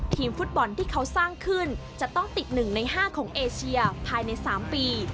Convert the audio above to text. ทีมฟุตบอลที่เขาสร้างขึ้นจะต้องติด๑ใน๕ของเอเชียภายใน๓ปี